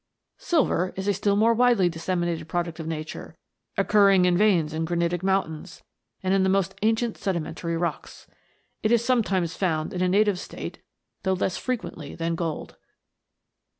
" Silver is a still more widely disseminated pro duct of nature, occurring in veins in granitic moun THE GNOMES. 273 tains, and in the most ancient sedimentary rocks. It is sometimes found in a native state, though less frequently than gold.